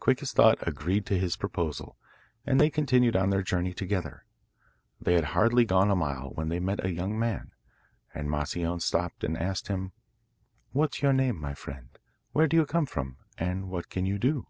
Quick as Thought agreed to his proposal, and they continued on their journey together. They had hardly gone a mile when they met a young man, and Moscione stopped and asked him: 'What's your name, my friend; where do you come from, and what can you do?